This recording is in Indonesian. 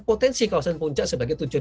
potensi kawasan puncak sebagai tujuan